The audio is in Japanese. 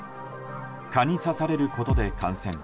蚊に刺されることで感染。